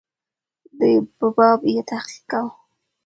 دوی په باب یې تحقیق کاوه.